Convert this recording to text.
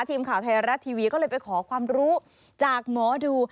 ทีมข่าวไทยรัฐทีวีก็เลยไปขอความรู้จากหมอดู